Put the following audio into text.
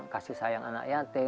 kasih sayang anak yatim